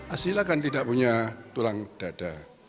azila kan tidak punya tulang dada